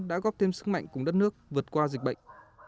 đã góp thêm sức mạnh cùng đất nước vượt qua dịch bệnh